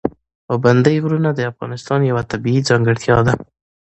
پابندی غرونه د افغانستان یوه طبیعي ځانګړتیا ده.